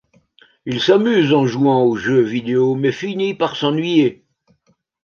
Il s'amuse en jouant aux jeux vidéo mais finit par s'ennuyer.